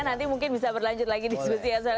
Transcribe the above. nanti mungkin bisa berlanjut lagi diskusinya